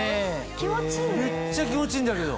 めっちゃ気持ちいいんだけど。